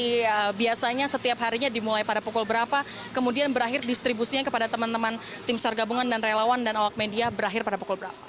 jadi biasanya setiap harinya dimulai pada pukul berapa kemudian berakhir distribusinya kepada teman teman tim sargabungan dan relawan dan oak media berakhir pada pukul berapa